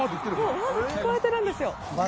「うわー！」が聞こえてるんですよ。